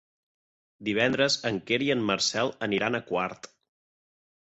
Divendres en Quer i en Marcel aniran a Quart.